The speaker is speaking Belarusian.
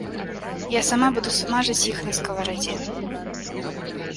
Я сама буду смажыць іх на скаварадзе.